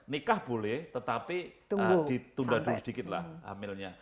nikah boleh tetapi ditunda dulu sedikit lah hamilnya